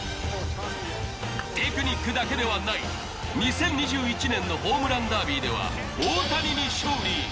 テクニックだけではない、２０２１年のホームランダービーでは大谷に勝利。